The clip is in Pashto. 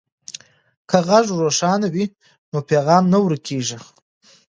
که غږ روښانه وي نو پیغام نه ورکیږي.